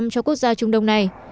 cho quốc gia trung đông này